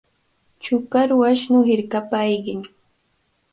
Chukaru ashnu hirkapa ayqin.